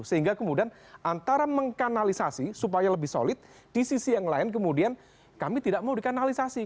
sehingga kemudian antara mengkanalisasi supaya lebih solid di sisi yang lain kemudian kami tidak mau dikanalisasi